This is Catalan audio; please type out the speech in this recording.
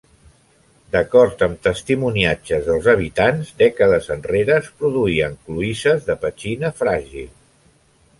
D'acord amb testimoniatges dels habitants, dècades enrere es produïen cloïsses de petxina fràgil.